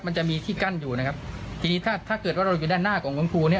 มันจะมีที่กั้นอยู่นะครับทีนี้ถ้าถ้าเกิดว่าเราอยู่ด้านหน้าของคุณครูเนี้ย